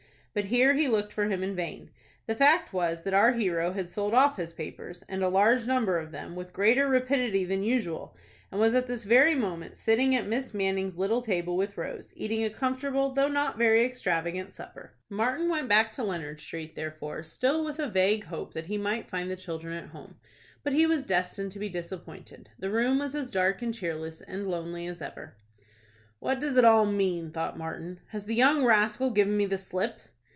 But here he looked for him in vain. The fact was that our hero had sold off his papers, and a large number of them, with greater rapidity than usual, and was at this very moment sitting at Miss Manning's little table with Rose, eating a comfortable, though not very extravagant, supper. Martin went back to Leonard Street, therefore, still with a vague hope that he might find the children at home. But he was destined to be disappointed. The room was as dark and cheerless and lonely as ever. "What does it all mean?" thought Martin. "Has the young rascal given me the slip?"